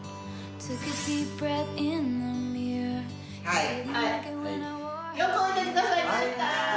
はい。